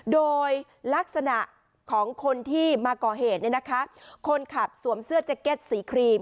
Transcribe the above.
โดยลักษณะของคนที่มาก่อเหตุเนี่ยนะคะคนขับสวมเสื้อแจ็คเก็ตสีครีม